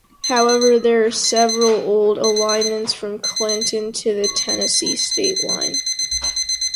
However, there are several old alignments from Clinton to the Tennessee state line.